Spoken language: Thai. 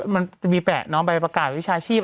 มันจะมีแปะเนาะใบประกาศวิชาชีพ